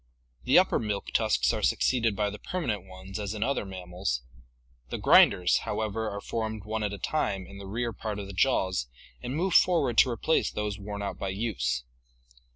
The upper milk tusks are suc ceeded by the permanent ones as in other mammals; the grinders, however, are formed one at a time in the rear part of the jaws and move forward to replace those worn out by use.